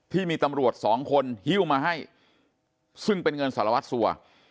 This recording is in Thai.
ที่มีตำรวจสองคนฮิ้วมาให้ซึ่งเป็นเงินสารวัตรสัว